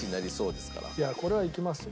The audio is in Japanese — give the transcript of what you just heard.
いやあこれはいきますよ。